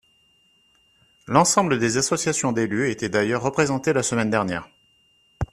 L’ensemble des associations d’élus étaient d’ailleurs représentées la semaine dernière.